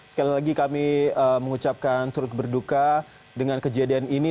sekali lagi kami mengucapkan turut berduka dengan kejadian ini